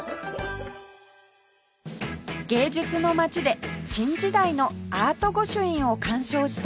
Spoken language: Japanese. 芸術の街で新時代のアート御朱印を鑑賞した純ちゃん